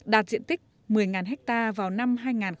đạt diện tích một mươi ha vào năm hai nghìn hai mươi